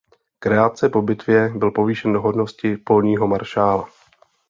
Krátce po bitvě byl povýšen do hodnosti polního maršála.